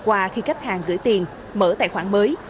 qua khi khách hàng gửi tiền mở tài khoản mới